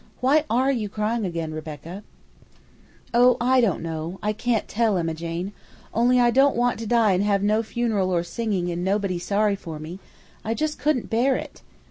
Why ARE you crying again, Rebecca?" "Oh, I don't know, I can't tell, Emma Jane! Only I don't want to die and have no funeral or singing and nobody sorry for me! I just couldn't bear it!"